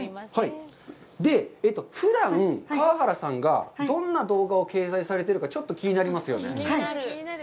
ふだん、川原さんがどんな動画を掲載されているかちょっと気になりますよね。